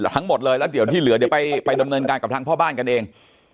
ทั้งหมดเลยแล้วเดี๋ยวที่เหลือเดี๋ยวไปดำเนินการกับทางพ่อบ้านกันเอง